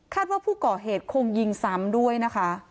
ว่าผู้ก่อเหตุคงยิงซ้ำด้วยนะคะ